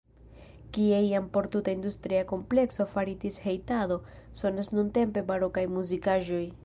Kie iam por tuta industria komplekso faritis hejtado sonas nuntempe barokaj muzikaĵoj.